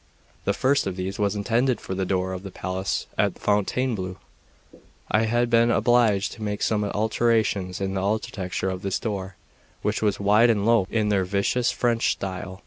The first of these was intended for the door of the palace at Fontainebleau. I had been obliged to make some alterations in the architecture of this door, which was wide and low, in their vicious French style.